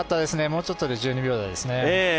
もうちょっとで１２秒台ですね。